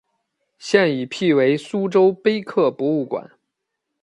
现已辟为苏州碑刻博物馆。